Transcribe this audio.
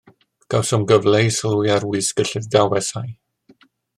Cawsom gyfle i sylwi ar wisg y Llydawesau.